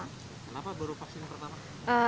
kenapa baru vaksin pertama